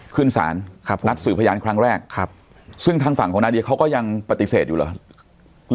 ขึ้นศาลครับนัดสื่อพยานครั้งแรกครับซึ่งทางฝั่งของนาเดียเขาก็ยังปฏิเสธอยู่เหรอ